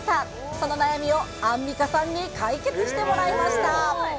その悩みをアンミカさんに解決してもらいました。